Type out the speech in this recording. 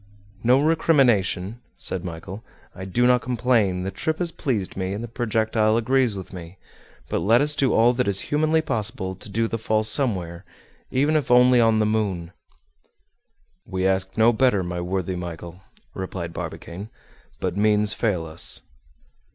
"No recrimination," said Michel. "I do not complain, the trip has pleased me, and the projectile agrees with me; but let us do all that is humanly possible to do the fall somewhere, even if only on the moon." "We ask no better, my worthy Michel," replied Barbicane, "but means fail us."